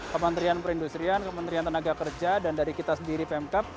kementerian perindustrian kementerian tenaga kerja dan dari kita sendiri pemkap